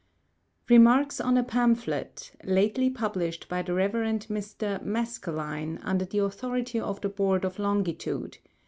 net REMARKS ON A PAMPHLET Lately published by the Rev. Mr. MASKELYNE, Under the AUTHORITY of the BOARD OF LONGITUDE.